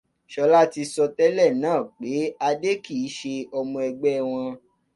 Sọlá ti sọ tẹ́lẹ̀ náà pé Adé kìí ṣe ọmọ ẹgbẹ́ wọn.